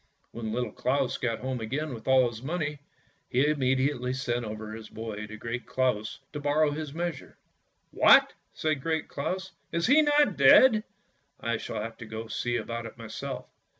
When Little Claus got home again with all his money, he immediately sent over his boy to Great Claus to borrow his measure. " What! " said Great Claus, " is he not dead? I shall have to go and see about it myself!